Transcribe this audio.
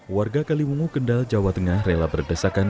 warga kaliwungu kendal jawa tengah rela berdesakan